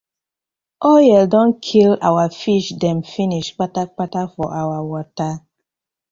Oil don kii our fish dem finish kpatakpata for our wata.